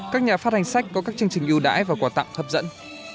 các nhà phát hành sách có các chương trình ưu đãi và quà tặng hấp dẫn